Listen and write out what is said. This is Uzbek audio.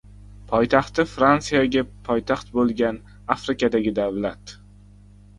Poytaxti Fransiyaga poytaxt bo‘lgan Afrikadagi davlat